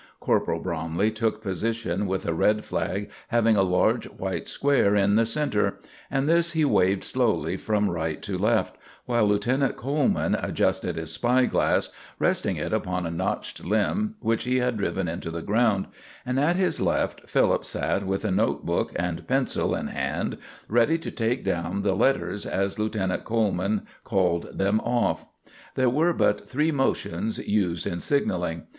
Corporal Bromley took position with a red flag having a large white square in the center, and this he waved slowly from right to left, while Lieutenant Coleman adjusted his spy glass, resting it upon a crotched limb which he had driven into the ground; and at his left Philip sat with a note book and pencil in hand, ready to take down the letters as Lieutenant Coleman called them off. There are but three motions used in signaling.